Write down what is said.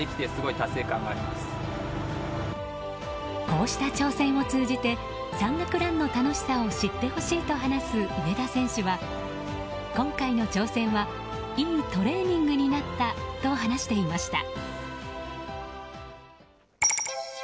こうした挑戦を通じて山岳ランの楽しさを知ってほしいと話す上田選手は今回の挑戦はいいトレーニングになったと話していました。